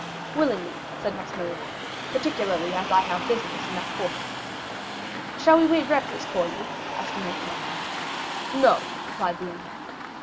"Willingly," said Maximilian; "particularly as I have business in that quarter." "Shall we wait breakfast for you?" asked Emmanuel. "No," replied the young man.